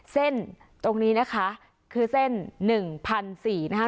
เส้นตรงนี้นะคะคือเส้นหนึ่งพันสี่นะคะ